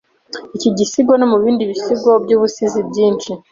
iki gisigo no mubindi bisigo byubusizi Byinshi